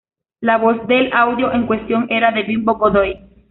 La voz del audio en cuestión era de Bimbo Godoy.